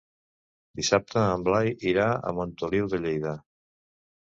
Dissabte en Blai irà a Montoliu de Lleida.